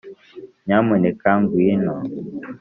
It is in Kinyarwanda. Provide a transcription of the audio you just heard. nyamuneka ngwino